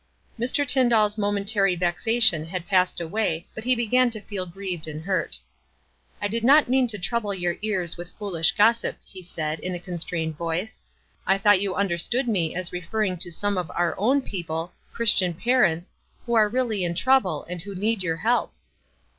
Mr. TyndalPs momentary vexation had passed away, but he began to feel grieved and hurt. "I did not mean to trouble your ears with foolish gossip," he said, in a constrained voice. "I thought you understood me as referring to some of our own people, Christian parents, who are really in trouble, and who need your help."